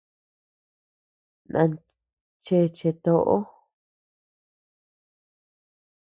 Nan cheche toʼo.